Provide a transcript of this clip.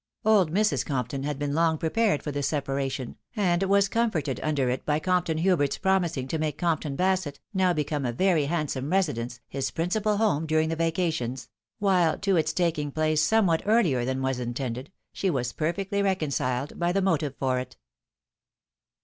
Old Mrs. Compton had been long prepared for this sepa ration, and was comforted under it by Compton Hubert's promising to make Compton Basset, now become a very hand some residence, his principal home during the vacations ; while to its taking place somewhat earlier than was intended, she was perfectly reconciled by the motive for it.